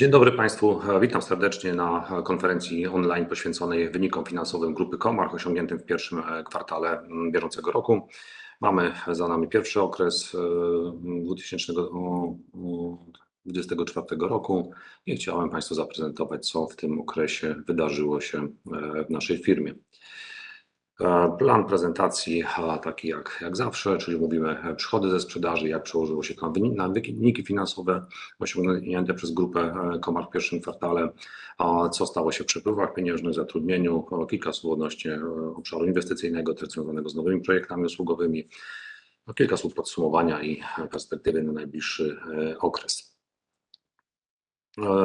Dzień dobry Państwu. Witam serdecznie na konferencji online poświęconej wynikom finansowym Grupy Comarch osiągniętym w pierwszym kwartale bieżącego roku. Mamy za nami pierwszy okres 2024 roku i chciałbym Państwu zaprezentować, co w tym okresie wydarzyło się w naszej firmie. Plan prezentacji taki jak zawsze, czyli omówimy przychody ze sprzedaży, jak przełożyło się to na wyniki finansowe osiągnięte przez Grupę Comarch w pierwszym kwartale. Co stało się w przepływach pieniężnych, zatrudnieniu? Kilka słów odnośnie obszaru inwestycyjnego, też związanego z nowymi projektami usługowymi. Kilka słów podsumowania i perspektywy na najbliższy okres.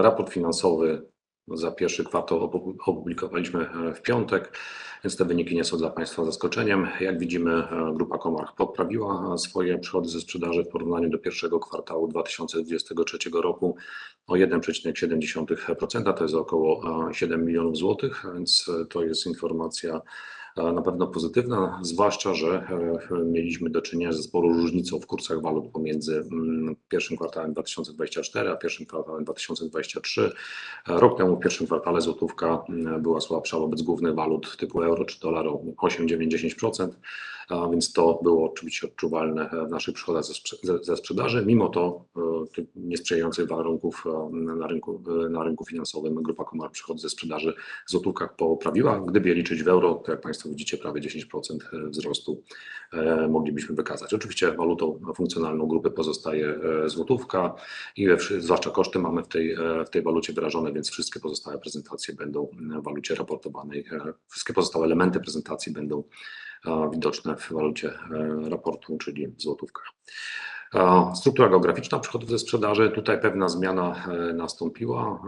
Raport finansowy za pierwszy kwartał opublikowaliśmy w piątek, więc te wyniki nie są dla Państwa zaskoczeniem. Jak widzimy, Grupa Comarch poprawiła swoje przychody ze sprzedaży w porównaniu do pierwszego kwartału 2023 roku o 1,7%. To jest około 7 milionów złotych, więc to jest informacja na pewno pozytywna, zwłaszcza że mieliśmy do czynienia ze sporą różnicą w kursach walut pomiędzy pierwszym kwartałem 2024, a pierwszym kwartałem 2023. Rok temu, w pierwszym kwartale złotówka była słabsza wobec głównych walut typu euro czy dolar o 8%, 9%, 10%, więc to było oczywiście odczuwalne w naszych przychodach ze sprzedaży. Mimo niesprzyjających warunków na rynku finansowym Grupa Comarch przychody ze sprzedaży w złotówkach poprawiła. Gdyby liczyć w euro, to jak Państwo widzicie, prawie 10% wzrostu moglibyśmy wykazać. Oczywiście walutą funkcjonalną grupy pozostaje złotówka i zwłaszcza koszty mamy w tej walucie wyrażone, więc wszystkie pozostałe prezentacje będą w walucie raportowanej. Wszystkie pozostałe elementy prezentacji będą widoczne w walucie raportu, czyli w złotówkach. Struktura geograficzna przychodów ze sprzedaży. Tutaj pewna zmiana nastąpiła.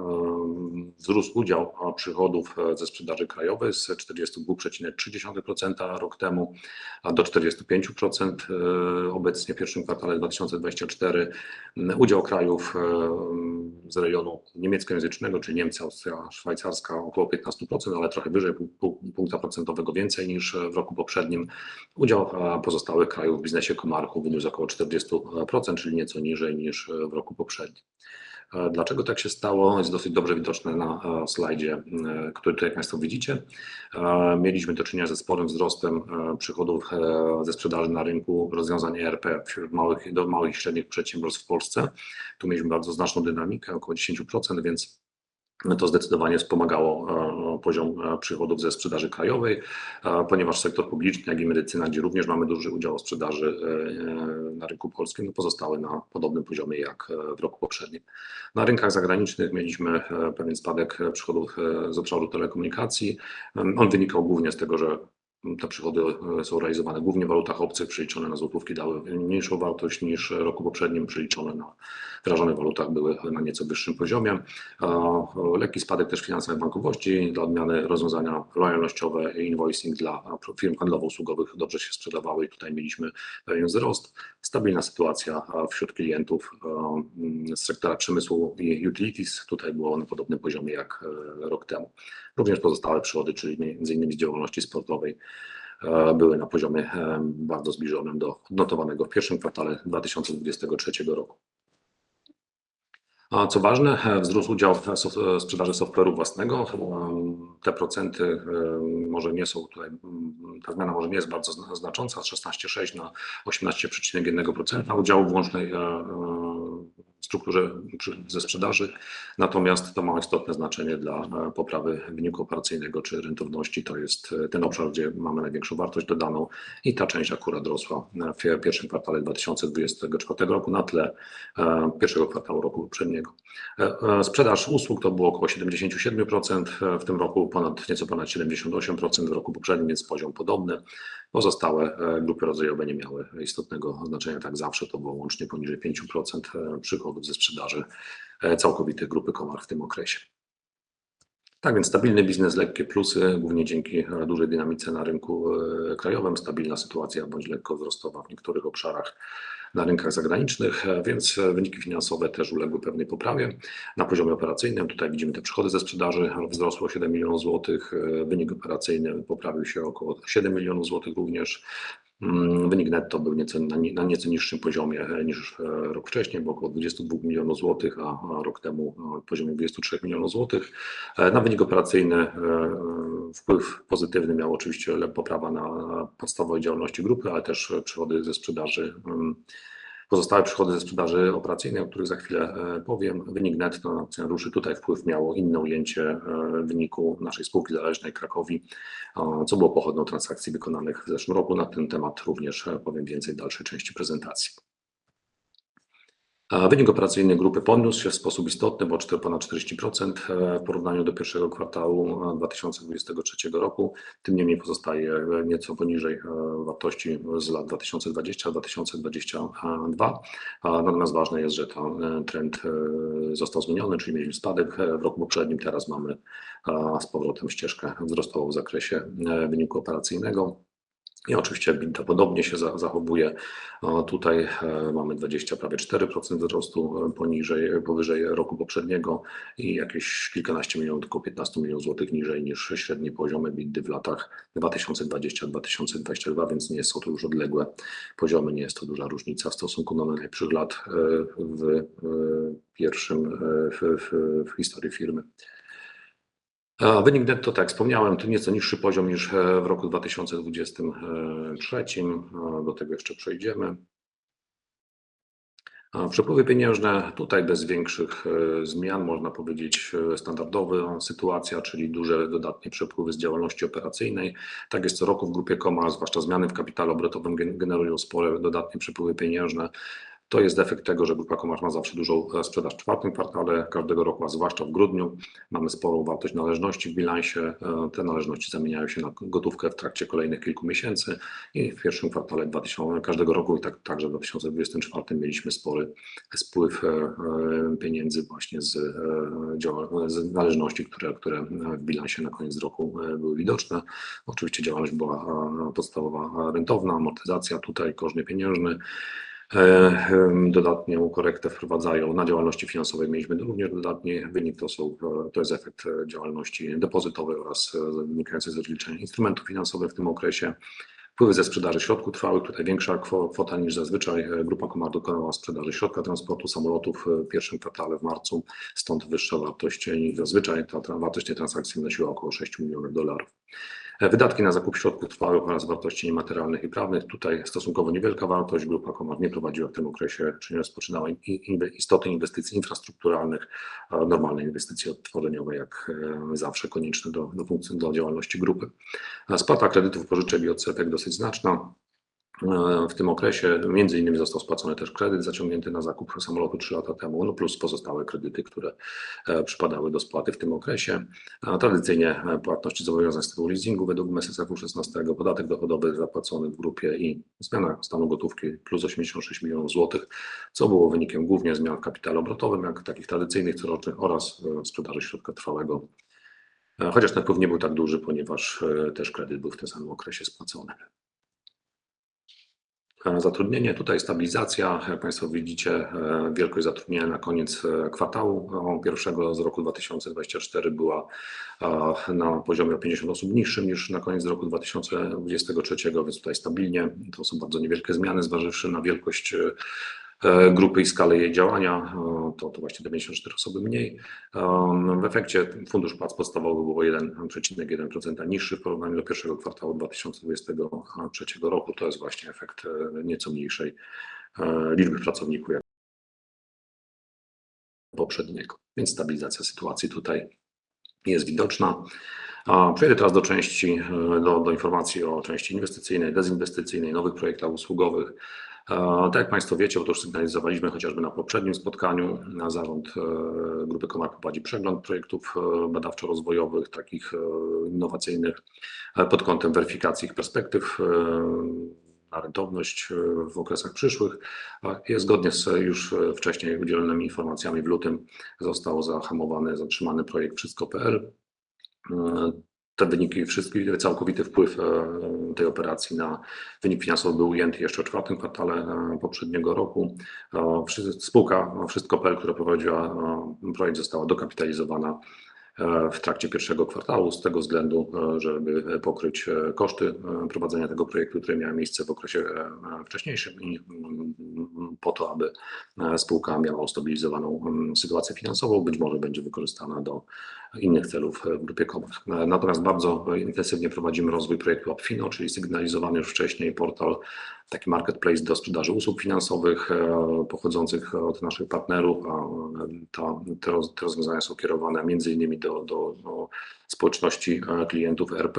Wzrósł udział przychodów ze sprzedaży krajowej z 42,3% rok temu do 45% obecnie, w pierwszym kwartale 2024. Udział krajów z rejonu niemieckojęzycznego, czyli Niemcy, Austria, Szwajcaria około 15%, ale trochę wyżej pół punktu procentowego więcej niż w roku poprzednim. Udział pozostałych krajów w biznesie Comarchu wyniósł około 40%, czyli nieco niżej niż w roku poprzednim. Dlaczego tak się stało? Jest dosyć dobrze widoczne na slajdzie, który tutaj Państwo widzicie. Mieliśmy do czynienia ze sporym wzrostem przychodów ze sprzedaży na rynku rozwiązań ERP wśród małych i średnich przedsiębiorstw w Polsce. Tu mieliśmy bardzo znaczną dynamikę około 10%, więc to zdecydowanie wspomagało poziom przychodów ze sprzedaży krajowej. Ponieważ sektor publiczny, jak i medycyna, gdzie również mamy duży udział sprzedaży na rynku polskim, pozostały na podobnym poziomie jak w roku poprzednim. Na rynkach zagranicznych mieliśmy pewien spadek przychodów z obszaru telekomunikacji. Wynikał głównie z tego, że te przychody są realizowane głównie w walutach obcych. Przeliczone na złotówki dały mniejszą wartość niż w roku poprzednim. Przeliczone na wyrażone w walutach były na nieco wyższym poziomie. Lekki spadek też w finansach i bankowości. Dla odmiany rozwiązania lojalnościowe i invoicing dla firm handlowo-usługowych dobrze się sprzedawały i tutaj mieliśmy pewien wzrost. Stabilna sytuacja wśród klientów z sektora przemysłu i utilities. Tutaj było na podobnym poziomie jak rok temu. Również pozostałe przychody, czyli między innymi z działalności sportowej, były na poziomie bardzo zbliżonym do odnotowanego w pierwszym kwartale 2023 roku. Co ważne, wzrósł udział sprzedaży software'u własnego. Te procenty może nie są tutaj - ta zmiana może nie jest bardzo znacząca. Z 16,6% na 18,1% udziału w łącznej strukturze przychodów ze sprzedaży. Natomiast to ma istotne znaczenie dla poprawy wyniku operacyjnego czy rentowności. To jest ten obszar, gdzie mamy największą wartość dodaną i ta część akurat rosła w pierwszym kwartale 2024 roku, na tle pierwszego kwartału roku poprzedniego. Sprzedaż usług to było około 77%. W tym roku ponad, nieco ponad 78% w roku poprzednim, więc poziom podobny. Pozostałe grupy rozwojowe nie miały istotnego znaczenia. Tak jak zawsze, to było łącznie poniżej 5% przychodów ze sprzedaży całkowitej Grupy Comarch w tym okresie. Tak więc stabilny biznes, lekkie plusy, głównie dzięki dużej dynamice na rynku krajowym. Stabilna sytuacja bądź lekko wzrostowa w niektórych obszarach na rynkach zagranicznych, więc wyniki finansowe też uległy pewnej poprawie na poziomie operacyjnym. Tutaj widzimy te przychody ze sprzedaży wzrosły o 7 milionów złotych. Wynik operacyjny poprawił się o około 7 milionów złotych również. Wynik netto był nieco na niższym poziomie niż rok wcześniej, bo około dwudziestu dwóch milionów złotych, a rok temu na poziomie dwudziestu trzech milionów złotych. Na wynik operacyjny wpływ pozytywny miała oczywiście poprawa na podstawowej działalności grupy, ale też przychody ze sprzedaży. Pozostałe przychody ze sprzedaży operacyjnej, o których za chwilę powiem. Wynik netto na akcję również. Tutaj wpływ miało inne ujęcie wyniku naszej spółki zależnej Cracovii, co było pochodną transakcji wykonanych w zeszłym roku. Na ten temat również powiem więcej w dalszej części prezentacji. Wynik operacyjny grupy podniósł się w sposób istotny, bo o ponad 40% w porównaniu do pierwszego kwartału 2023 roku. Tym niemniej pozostaje nieco poniżej wartości z lat 2020, 2022. Dla nas ważne jest, że to trend został zmieniony, czyli mieliśmy spadek w roku poprzednim. Teraz mamy z powrotem ścieżkę wzrostową w zakresie wyniku operacyjnego i oczywiście EBITDA podobnie się zachowuje. Tutaj mamy dwadzieścia prawie 4% wzrostu powyżej roku poprzedniego i jakieś kilkanaście milionów, około piętnastu milionów złotych niżej niż średnie poziomy EBITDA w latach 2020, 2022, więc nie są to już odległe poziomy. Nie jest to duża różnica w stosunku do najlepszych lat w historii firmy. Wynik netto, tak jak wspomniałem, to nieco niższy poziom niż w roku 2023. Do tego jeszcze przejdziemy. Przepływy pieniężne, tutaj bez większych zmian. Można powiedzieć standardowa sytuacja, czyli duże dodatnie przepływy z działalności operacyjnej. Tak jest co roku w grupie Comarch, zwłaszcza zmiany w kapitale obrotowym generują spore dodatnie przepływy pieniężne. To jest efekt tego, że Grupa Comarch ma zawsze dużą sprzedaż w czwartym kwartale każdego roku, a zwłaszcza w grudniu. Mamy sporą wartość należności w bilansie. Te należności zamieniają się na gotówkę w trakcie kolejnych kilku miesięcy i w pierwszym kwartale każdego roku i tak, także w 2024 roku mieliśmy spory spływ pieniędzy właśnie z należności, które w bilansie na koniec roku były widoczne. Oczywiście działalność podstawowa była rentowna. Amortyzacja tutaj gotówkę pieniężną. Dodatnią korektę wprowadzają, na działalności finansowej mieliśmy również dodatni wynik. To jest efekt działalności depozytowej oraz wynikający z rozliczeń instrumentów finansowych w tym okresie. Wpływy ze sprzedaży środków trwałych, tutaj większa kwota niż zazwyczaj. Grupa Comarch dokonała sprzedaży środka transportu samolotów w pierwszym kwartale, w marcu. Stąd wyższa wartość niż zazwyczaj. Wartość tej transakcji wynosiła około $6 milionów. Wydatki na zakup środków trwałych oraz wartości niematerialnych i prawnych. Tutaj stosunkowo niewielka wartość. Grupa Comarch nie prowadziła w tym okresie, czy nie rozpoczynała istotnych inwestycji infrastrukturalnych. Normalne inwestycje odtworzeniowe, jak zawsze, konieczne do funkcji, do działalności grupy. Spłata kredytów, pożyczek i odsetek dosyć znaczna. W tym okresie między innymi został spłacony też kredyt zaciągnięty na zakup samolotu trzy lata temu, plus pozostałe kredyty, które przypadały do spłaty w tym okresie. Tradycyjnie płatności zobowiązań z tytułu leasingu według MSSF 16, podatek dochodowy zapłacony w grupie i zmiana stanu gotówki plus 86 milionów złotych, co było wynikiem głównie zmian w kapitale obrotowym jako takich tradycyjnych, corocznych oraz sprzedaży środka trwałego. Chociaż ten wpływ nie był tak duży, ponieważ też kredyt był w tym samym okresie spłacony. Zatrudnienie. Tutaj stabilizacja. Jak Państwo widzicie, wielkość zatrudnienia na koniec pierwszego kwartału roku 2024 była na poziomie o 50 osób niższym niż na koniec roku 2023, więc tutaj stabilnie. To są bardzo niewielkie zmiany, zważywszy na wielkość grupy i skalę jej działania. To właśnie te 54 osoby mniej. W efekcie fundusz płac podstawowy był o 1,1% niższy w porównaniu do pierwszego kwartału 2023 roku. To jest właśnie efekt nieco mniejszej liczby pracowników poprzedniego, więc stabilizacja sytuacji tutaj jest widoczna. Przejdę teraz do części, do informacji o części inwestycyjnej, dezinwestycyjnej, nowych projektach usługowych. Tak jak Państwo wiecie, bo to już sygnalizowaliśmy chociażby na poprzednim spotkaniu, Zarząd Grupy Comarch prowadzi przegląd projektów badawczo-rozwojowych, takich innowacyjnych, pod kątem weryfikacji ich perspektyw na rentowność w okresach przyszłych. Zgodnie z już wcześniej udzielonymi informacjami, w lutym został zahamowany, zatrzymany projekt Wszystko.pl. Te wyniki wszystkich, całkowity wpływ tej operacji na wynik finansowy był ujęty jeszcze w czwartym kwartale poprzedniego roku. Spółka Wszystko.pl, która prowadziła projekt, została dokapitalizowana w trakcie pierwszego kwartału z tego względu, żeby pokryć koszty prowadzenia tego projektu, które miały miejsce w okresie wcześniejszym i po to, aby spółka miała ustabilizowaną sytuację finansową. Być może będzie wykorzystana do innych celów w Grupie Comarch. Natomiast bardzo intensywnie prowadzimy rozwój projektu Opfino, czyli sygnalizowany już wcześniej portal, taki marketplace do sprzedaży usług finansowych pochodzących od naszych partnerów. Te rozwiązania są kierowane między innymi do społeczności klientów ERP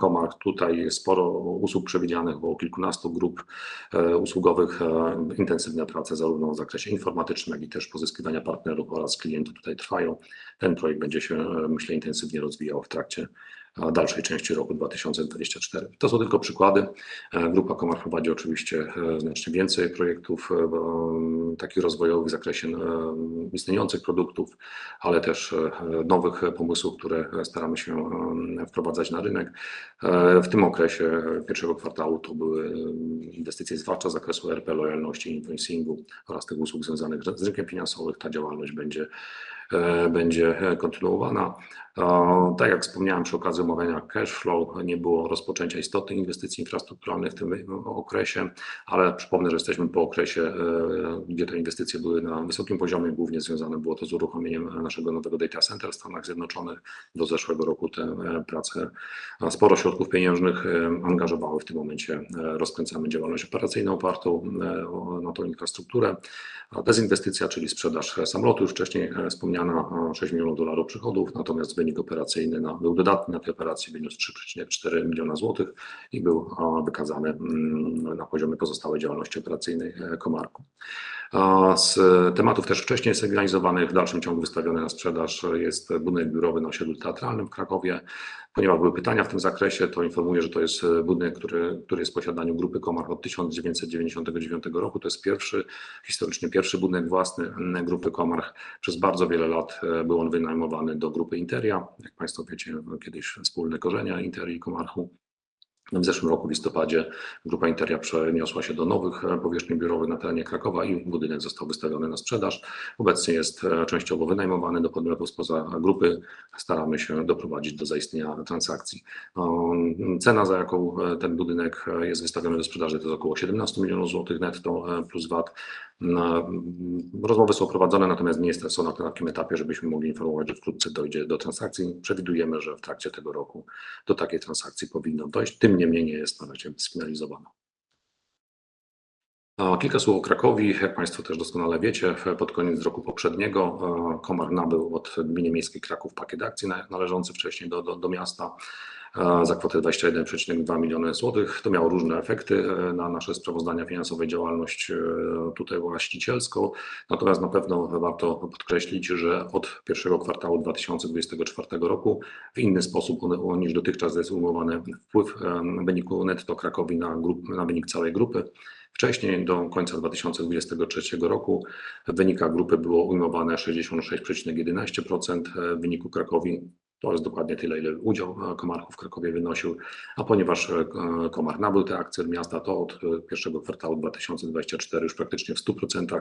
Comarch. Tutaj jest sporo usług przewidzianych, bo kilkunastu grup usługowych. Intensywne prace zarówno w zakresie informatycznym, jak i też pozyskiwania partnerów oraz klientów tutaj trwają. Ten projekt będzie się, myślę, intensywnie rozwijał w trakcie dalszej części roku dwa tysiące dwadzieścia cztery. To są tylko przykłady. Grupa Comarch prowadzi oczywiście znacznie więcej projektów takich rozwojowych w zakresie istniejących produktów, ale też nowych pomysłów, które staramy się wprowadzać na rynek. W tym okresie pierwszego kwartału to były inwestycje zwłaszcza z zakresu ERP, lojalności, invoicingu oraz tych usług związanych z ryzykiem finansowym. Ta działalność będzie kontynuowana. Tak jak wspomniałem przy okazji omawiania cash flow, nie było rozpoczęcia istotnych inwestycji infrastrukturalnych w tym okresie, ale przypomnę, że jesteśmy po okresie, gdzie te inwestycje były na wysokim poziomie. Głównie związane było to z uruchomieniem naszego nowego data center w Stanach Zjednoczonych. Do zeszłego roku te prace sporo środków pieniężnych angażowały. W tym momencie rozkręcamy działalność operacyjną opartą na tę infrastrukturę. Dezinwestycja, czyli sprzedaż samolotu, już wcześniej wspomniana, $6 milionów przychodów. Natomiast wynik operacyjny był dodatni na tej operacji, wyniósł 3,4 miliona złotych i był wykazany na poziomie pozostałej działalności operacyjnej Comarchu. Z tematów też wcześniej sygnalizowanych, w dalszym ciągu wystawiony na sprzedaż jest budynek biurowy na Osiedlu Teatralnym w Krakowie. Ponieważ były pytania w tym zakresie, to informuję, że to jest budynek, który jest w posiadaniu Grupy Comarch od 1999 roku. To jest pierwszy, historycznie pierwszy budynek własny Grupy Comarch. Przez bardzo wiele lat był on wynajmowany do grupy Interia. Jak Państwo wiecie, były kiedyś wspólne korzenia Interii i Comarchu. W zeszłym roku, w listopadzie, grupa Interia przeniosła się do nowych powierzchni biurowych na terenie Krakowa i budynek został wystawiony na sprzedaż. Obecnie jest częściowo wynajmowany do podmiotów spoza grupy. Staramy się doprowadzić do zaistnienia transakcji. Cena, za jaką ten budynek jest wystawiony do sprzedaży, to jest około siedemnastu milionów złotych netto plus VAT. Rozmowy są prowadzone, natomiast nie jesteśmy na takim etapie, żebyśmy mogli informować, że wkrótce dojdzie do transakcji. Przewidujemy, że w trakcie tego roku do takiej transakcji powinno dojść, tym niemniej nie jest ona jeszcze sfinalizowana. Kilka słów o Cracovii. Jak Państwo też doskonale wiecie, pod koniec roku poprzedniego Comarch nabył od Gminy Miejskiej Kraków pakiet akcji należący wcześniej do miasta za kwotę 21,2 miliona złotych. To miało różne efekty na nasze sprawozdania finansowe i działalność tutaj właścicielską. Natomiast na pewno warto podkreślić, że od pierwszego kwartału 2024 roku w inny sposób niż dotychczas jest ujmowany wpływ wyniku netto Cracovii na wynik całej grupy. Wcześniej, do końca 2023 roku, w wynikach grupy było ujmowane 66,11% wyniku Cracovii. To jest dokładnie tyle, ile udział Comarchu w Cracovii wynosił. A ponieważ Comarch nabył te akcje od miasta, to od pierwszego kwartału 2024 już praktycznie w 100%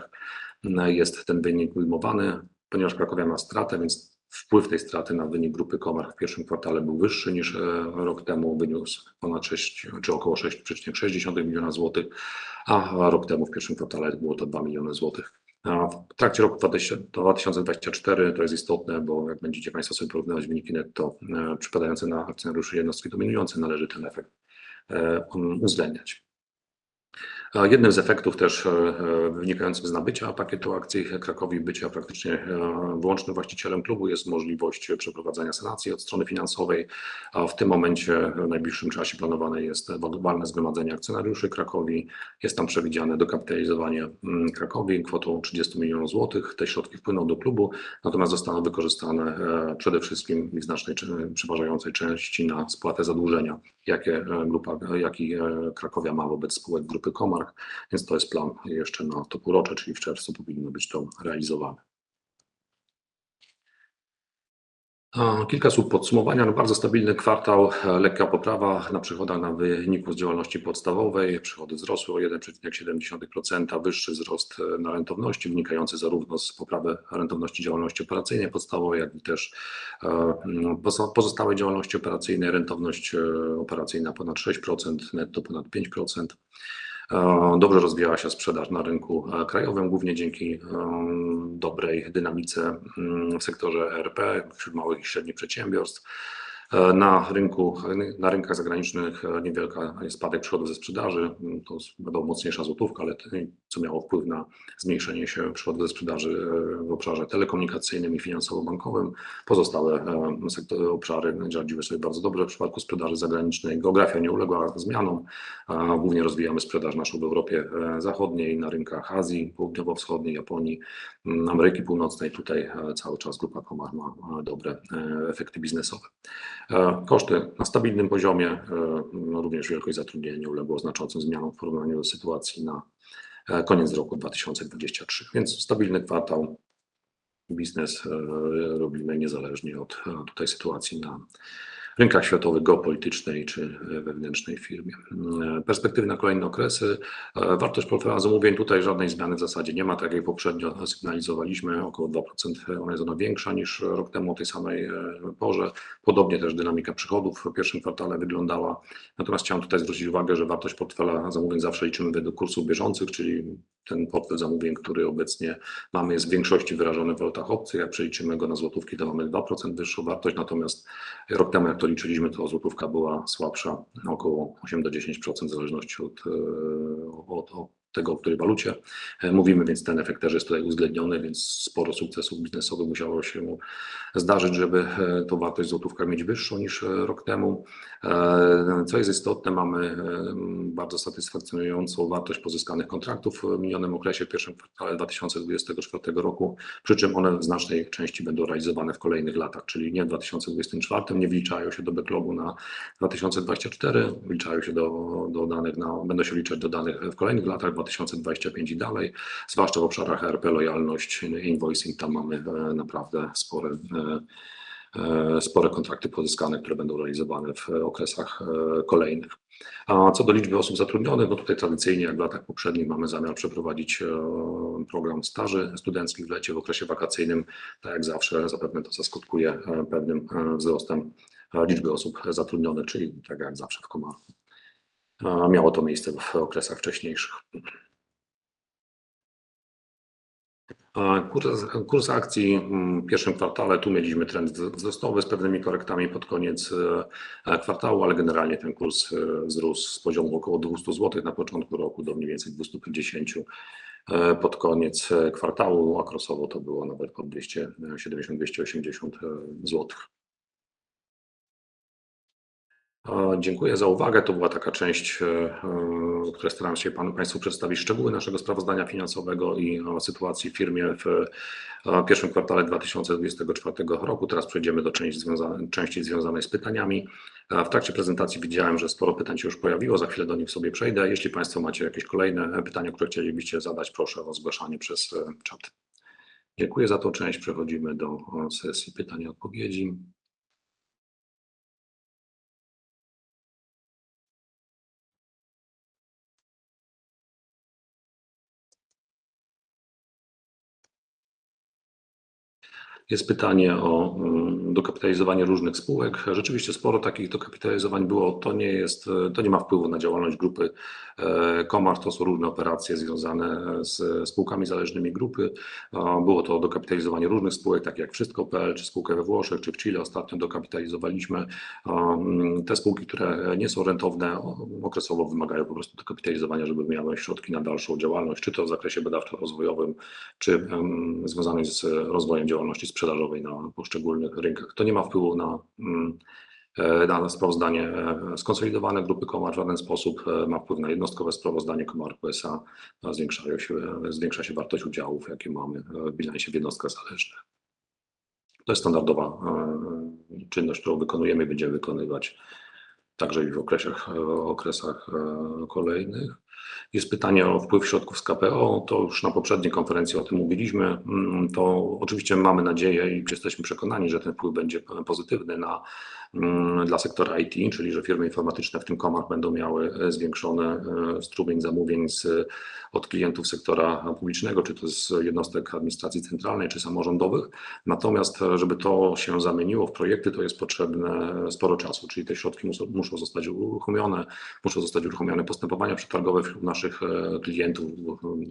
jest ten wynik ujmowany. Ponieważ Cracovia ma stratę, więc wpływ tej straty na wynik grupy Comarch w pierwszym kwartale był wyższy niż rok temu. Wyniósł ponad 6 czy około 6,6 miliona złotych, a rok temu w pierwszym kwartale było to 2 miliony złotych. W trakcie roku 2024 to jest istotne, bo jak będziecie Państwo sobie porównywać wyniki netto przypadające na akcjonariuszy jednostki dominującej, należy ten efekt uwzględniać. Jednym z efektów, też wynikającym z nabycia pakietu akcji Cracovii, bycia praktycznie wyłącznym właścicielem klubu, jest możliwość przeprowadzenia sanacji od strony finansowej. W tym momencie, w najbliższym czasie planowane jest walne zgromadzenie akcjonariuszy Cracovii. Jest tam przewidziane dokapitalizowanie Cracovii kwotą 30 milionów złotych. Te środki wpłyną do klubu, natomiast zostaną wykorzystane przede wszystkim i w znacznej, przeważającej części na spłatę zadłużenia, jakie grupa, jakie Cracovia ma wobec spółek grupy Comarch. To jest plan jeszcze na to półrocze, czyli w czerwcu powinno być to realizowane. Kilka słów podsumowania. Bardzo stabilny kwartał. Lekka poprawa na przychodach na wyniku z działalności podstawowej. Przychody wzrosły o 1,7%. Wyższy wzrost na rentowności, wynikający zarówno z poprawy rentowności działalności operacyjnej podstawowej, jak i też pozostałej działalności operacyjnej. Rentowność operacyjna ponad 6%, netto ponad 5%. Dobrze rozwijała się sprzedaż na rynku krajowym, głównie dzięki dobrej dynamice w sektorze ERP wśród małych i średnich przedsiębiorstw. Na rynkach zagranicznych niewielki spadek przychodów ze sprzedaży. To była mocniejsza złotówka, ale co miało wpływ na zmniejszenie się przychodów ze sprzedaży w obszarze telekomunikacyjnym i finansowo-bankowym. Pozostałe sektory, obszary radziły sobie bardzo dobrze. W przypadku sprzedaży zagranicznej geografia nie uległa zmianom, a głównie rozwijamy sprzedaż naszą w Europie Zachodniej, na rynkach Azji Południowo-Wschodniej, Japonii, Ameryki Północnej. Tutaj cały czas grupa Comarch ma dobre efekty biznesowe. Koszty na stabilnym poziomie. Również wielkość zatrudnienia nie uległa znaczącym zmianom w porównaniu do sytuacji na koniec roku 2023. Więc stabilny kwartał. Biznes robimy niezależnie od tutaj sytuacji na rynkach światowych, geopolitycznej czy wewnętrznej w firmie. Perspektywy na kolejne okresy. Wartość portfela zamówień. Tutaj żadnej zmiany w zasadzie nie ma. Tak jak poprzednio sygnalizowaliśmy, około 2% ona jest większa niż rok temu o tej samej porze. Podobnie też dynamika przychodów w pierwszym kwartale wyglądała. Natomiast chciałem tutaj zwrócić uwagę, że wartość portfela zamówień zawsze liczymy według kursów bieżących, czyli ten portfel zamówień, który obecnie mamy, jest w większości wyrażony w walutach obcych. Jak przeliczymy go na złotówki, to mamy 2% wyższą wartość. Natomiast rok temu, jak to liczyliśmy, to złotówka była słabsza o około 8% do 10%, w zależności od tego, o której walucie mówimy. Więc ten efekt też jest tutaj uwzględniony, więc sporo sukcesów biznesowych musiało się zdarzyć, żeby tą wartość złotówka mieć wyższą niż rok temu. Co jest istotne, mamy bardzo satysfakcjonującą wartość pozyskanych kontraktów w minionym okresie, w pierwszym kwartale 2024 roku, przy czym one w znacznej części będą realizowane w kolejnych latach, czyli nie w 2024. Nie wliczają się do backlogu na 2024. Wliczają się do danych na, będą się liczyć do danych w kolejnych latach, 2025 i dalej, zwłaszcza w obszarach ERP, lojalność, invoicing. Tam mamy naprawdę spore kontrakty pozyskane, które będą realizowane w okresach kolejnych. A co do liczby osób zatrudnionych, tutaj tradycyjnie, jak w latach poprzednich, mamy zamiar przeprowadzić program staży studenckich w lecie, w okresie wakacyjnym. Tak jak zawsze. Zapewne to zaskutkuje pewnym wzrostem liczby osób zatrudnionych, czyli tak jak zawsze w Comarch miało to miejsce w okresach wcześniejszych. Kurs akcji w pierwszym kwartale. Tu mieliśmy trend wzrostowy, z pewnymi korektami pod koniec kwartału, ale generalnie ten kurs wzrósł z poziomu około 200 złotych na początku roku do mniej więcej 250 złotych pod koniec kwartału. Maksymalnie to było nawet pod 270, 280 złotych. Dziękuję za uwagę. To była taka część, w której starałem się Państwu przedstawić szczegóły naszego sprawozdania finansowego i sytuacji w firmie w pierwszym kwartale 2024 roku. Teraz przejdziemy do części związanej z pytaniami. W trakcie prezentacji widziałem, że sporo pytań się już pojawiło. Za chwilę do nich sobie przejdę. Jeśli Państwo macie jakieś kolejne pytania, które chcielibyście zadać, proszę o zgłaszanie przez czat. Dziękuję za tą część. Przechodzimy do sesji pytań i odpowiedzi. Jest pytanie o dokapitalizowanie różnych spółek. Rzeczywiście sporo takich dokapitalizowań było. To nie ma wpływu na działalność grupy Comarch. To są różne operacje związane z spółkami zależnymi grupy. Było to dokapitalizowanie różnych spółek, takich jak Wszystko.pl czy spółkę we Włoszech, czy w Chile ostatnio dokapitalizowaliśmy. Te spółki, które nie są rentowne, okresowo wymagają po prostu dokapitalizowania, żeby miały środki na dalszą działalność, czy to w zakresie badawczo-rozwojowym, czy związanej z rozwojem działalności sprzedażowej na poszczególnych rynkach. To nie ma wpływu na sprawozdanie skonsolidowane grupy Comarch, w żaden sposób ma wpływ na jednostkowe sprawozdanie Comarch S.A. Zwiększają się, zwiększa się wartość udziałów, jakie mamy w bilansie, w jednostkach zależnych. To jest standardowa czynność, którą wykonujemy i będziemy wykonywać także w kolejnych okresach. Jest pytanie o wpływ środków z KPO. To już na poprzedniej konferencji o tym mówiliśmy. To oczywiście mamy nadzieję i jesteśmy przekonani, że ten wpływ będzie pozytywny dla sektora IT, czyli że firmy informatyczne, w tym Comarch, będą miały zwiększony strumień zamówień od klientów sektora publicznego, czy to z jednostek administracji centralnej, czy samorządowych. Natomiast, żeby to się zamieniło w projekty, to jest potrzebne sporo czasu. Czyli te środki muszą zostać uruchomione, muszą zostać uruchomione postępowania przetargowe wśród naszych klientów.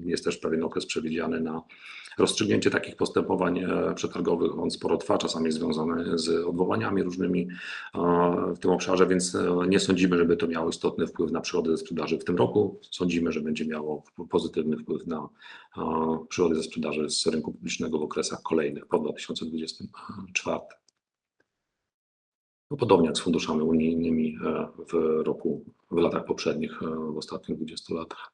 Jest też pewien okres przewidziany na rozstrzygnięcie takich postępowań przetargowych. On sporo trwa, czasami związany z odwołaniami różnymi w tym obszarze, więc nie sądzimy, żeby to miało istotny wpływ na przychody ze sprzedaży w tym roku. Sądzimy, że będzie miało pozytywny wpływ na przychody ze sprzedaży z rynku publicznego w okresach kolejnych, po 2024 roku. Podobnie jak z funduszami unijnymi w roku, w latach poprzednich, w ostatnich dwudziestu latach.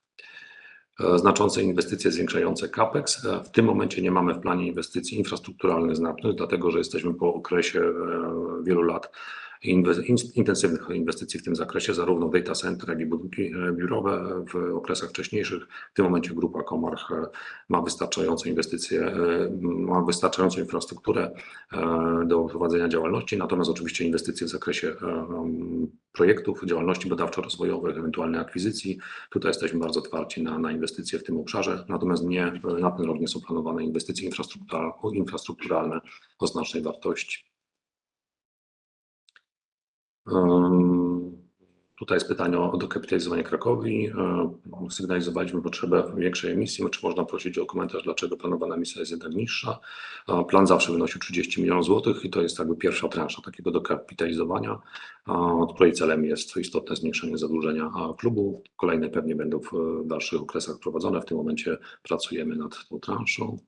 Znaczące inwestycje zwiększające CAPEX. W tym momencie nie mamy w planie inwestycji infrastrukturalnych znacznych, dlatego że jesteśmy po okresie wielu lat intensywnych inwestycji w tym zakresie, zarówno data center, jak i budynki biurowe w okresach wcześniejszych. W tym momencie grupa Comarch ma wystarczające inwestycje, ma wystarczającą infrastrukturę do prowadzenia działalności. Natomiast oczywiście inwestycje w zakresie projektów, działalności badawczo-rozwojowej, ewentualnie akwizycji. Tutaj jesteśmy bardzo otwarci na inwestycje w tym obszarze, natomiast nie na ten rok nie są planowane inwestycje infrastrukturalne o znacznej wartości. Tutaj jest pytanie o dokapitalizowanie Cracovii. Sygnalizowaliśmy potrzebę większej emisji. „Czy można prosić o komentarz, dlaczego planowana emisja jest jednak niższa?" Plan zawsze wynosił 30 milionów złotych i to jest jakby pierwsza transza takiego dokapitalizowania, której celem jest istotne zmniejszenie zadłużenia klubu. Kolejne pewnie będą w dalszych okresach wprowadzone. W tym momencie pracujemy nad tą transzą.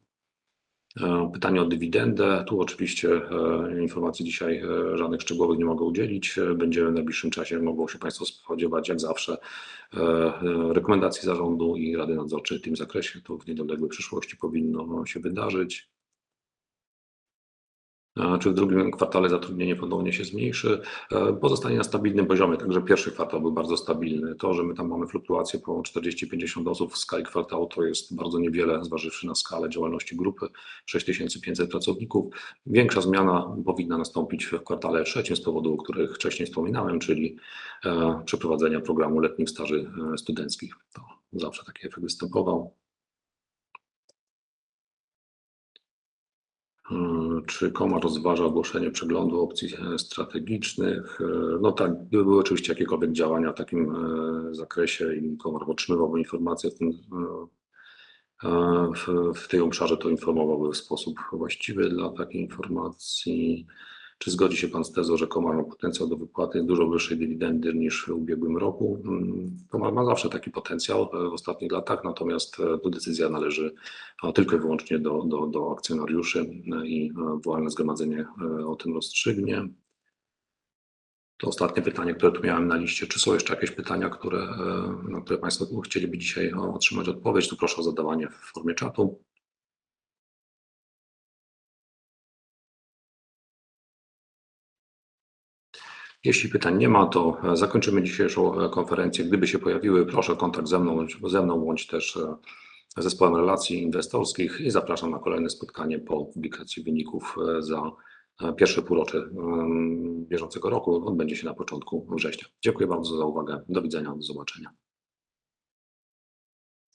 Pytanie o dywidendę. Tu oczywiście informacji dzisiaj żadnych szczegółowych nie mogę udzielić. Będziemy w najbliższym czasie mogą się państwo spodziewać, jak zawsze, rekomendacji zarządu i rady nadzorczej w tym zakresie. To w niedługiej przyszłości powinno się wydarzyć. „Czy w drugim kwartale zatrudnienie ponownie się zmniejszy?" Pozostanie na stabilnym poziomie. Także pierwszy kwartał był bardzo stabilny. To, że my tam mamy fluktuacje po czterdzieści, pięćdziesiąt osób w skali kwartału, to jest bardzo niewiele, zważywszy na skalę działalności grupy. Sześć tysięcy pięćset pracowników. Większa zmiana powinna nastąpić w kwartale trzecim, z powodów, o których wcześniej wspominałem, czyli przeprowadzenia programu letnich staży studenckich. To zawsze taki efekt występował. „Czy Comarch rozważa ogłoszenie przeglądu opcji strategicznych?" Tak, gdyby były oczywiście jakiekolwiek działania w takim zakresie i Comarch otrzymywałby informacje o tym w tym obszarze, to informowałby w sposób właściwy dla takiej informacji. „Czy zgodzi się Pan z tezą, że Comarch ma potencjał do wypłaty dużo wyższej dywidendy niż w ubiegłym roku?" Comarch ma zawsze taki potencjał w ostatnich latach, natomiast tu decyzja należy tylko i wyłącznie do akcjonariuszy i walne zgromadzenie o tym rozstrzygnie. To ostatnie pytanie, które tu miałem na liście. Czy są jeszcze jakieś pytania, na które państwo chcieliby dzisiaj otrzymać odpowiedź? To proszę o zadawanie w formie czatu. Jeśli pytań nie ma, to zakończymy dzisiejszą konferencję. Gdyby się pojawiły, proszę o kontakt ze mną bądź z zespołem relacji inwestorskich i zapraszam na kolejne spotkanie po publikacji wyników za pierwsze półrocze bieżącego roku. Odbędzie się na początku września. Dziękuję bardzo za uwagę. Do widzenia, do zobaczenia.